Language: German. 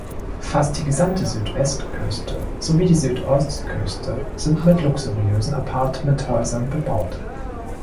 Fast die gesamte Südwestküste sowie die Südostküste sind mit luxuriösen Appartement-Häusern bebaut.